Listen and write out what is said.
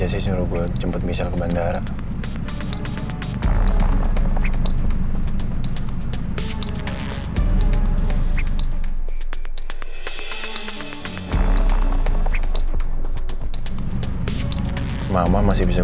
aku nggak pernah ceritain apa apa itu mbak